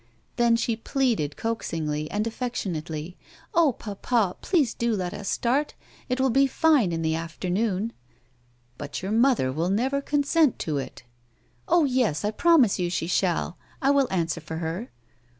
Then she pleaded coaxingly and affecionately, " Oh, papa, please do let us start. It will be fine in the afternoon." " But your mother will never consent to it." " Oh, yes, I promise you she shall ; I will answer for her."